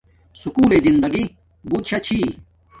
سُکول لݵ زندگی بوت شا چھی